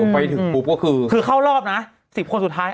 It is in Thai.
ไปถึงปุ๊บก็คือคือเข้ารอบนะ๑๐คนสุดท้าย